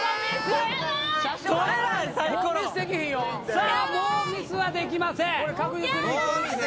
さあもうミスはできません